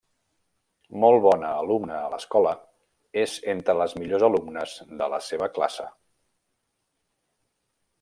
Molt bona alumna a l'escola, és entre les millors alumnes de la seva classe.